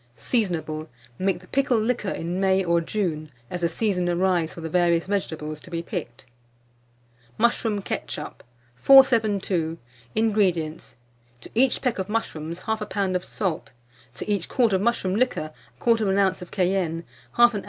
Seasonable. Make the pickle liquor in May or June, as the season arrives for the various vegetables to be picked. MUSHROOM KETCHUP. 472. INGREDIENTS. To each peck of mushrooms 1/2 lb. of salt; to each quart of mushroom liquor 1/4 oz. of cayenne, 1/2 oz.